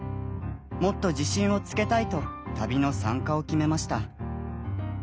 もっと自信をつけたいと旅の参加を決めました。